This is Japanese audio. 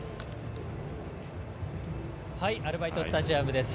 アルバイトスタジアムです。